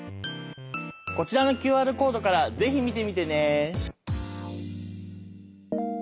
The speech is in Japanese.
こちらのＱＲコードから是非見てみてね！